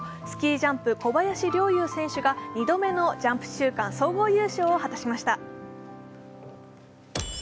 スキージャンプ・小林陵侑選手が２度目のジャンプ週間、総合優勝を果たしました。